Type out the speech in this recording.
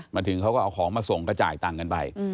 ถึงเขาก็เอาของมาส่งก็จ่ายตังค์กันไป